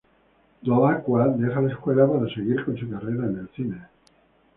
Dell'Acqua deja la escuela para seguir con su carrera en el cine.